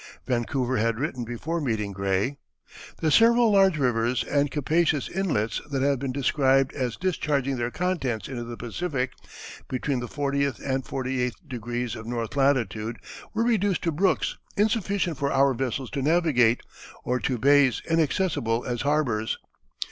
Vancouver had written before meeting Gray: "The several large rivers and capacious inlets that have been described as discharging their contents into the Pacific, between the fortieth and forty eighth degrees of north latitude, were reduced to brooks insufficient for our vessels to navigate, or to bays inaccessible as harbors.